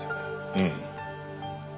うん。